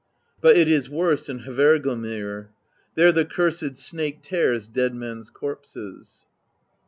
But it is worst in Hvergelmir: There the cursed snake tears dead men's corpses."